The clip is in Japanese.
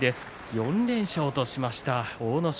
４連勝としました阿武咲